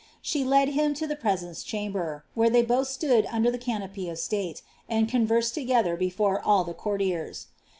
She led him lo the protenco> chamber, where they both stood under the canopy of state, and con vererd together before all the courtiers.